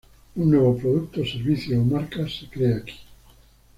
Un nuevo producto, servicio o marca se crea aquí.